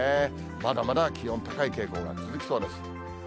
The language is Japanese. まだまだ、気温高い傾向、続きそうです。